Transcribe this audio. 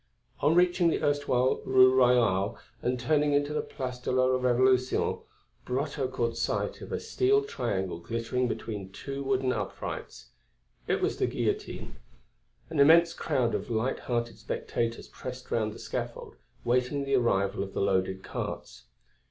On reaching the erstwhile Rue Royale and turning into the Place de la Révolution, Brotteaux caught sight of a steel triangle glittering between two wooden uprights; it was the guillotine. An immense crowd of light hearted spectators pressed round the scaffold, waiting the arrival of the loaded carts.